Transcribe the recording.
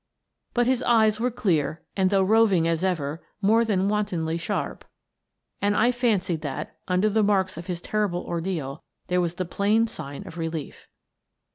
But his eyes were clear and, though roving as ever, more than wontedly sharp, and I fancied that, under the marks of his terrible ordeal, there was the plain sign of relief.